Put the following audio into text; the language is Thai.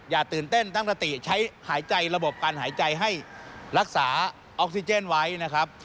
อย่าตื่นเต้นตั้งสติใช้หายใจระบบการหายใจให้รักษาออกซิเจนไว้นะครับ